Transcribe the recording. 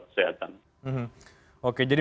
kesehatan oke jadi